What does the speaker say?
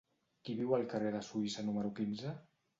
Qui viu al carrer de Suïssa número quinze?